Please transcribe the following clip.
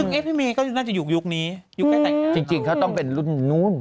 อย่างรุ่นพี่เจนี่ก็คือต้องเริ่มมีลูก